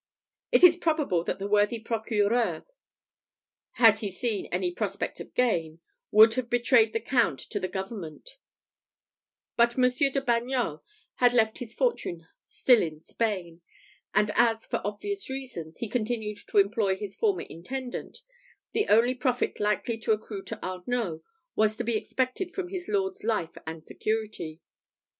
It is probable that the worthy procureur, had he seen any prospect of gain, would have betrayed the Count to the government; but Monsieur de Bagnols had left his fortune still in Spain; and as, for obvious reasons, he continued to employ his former intendant, the only profit likely to accrue to Arnault was to be expected from his lord's life and security.